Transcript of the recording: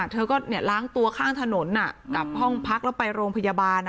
เธอก็ล้างตัวข้างถนนกลับห้องพักแล้วไปโรงพยาบาล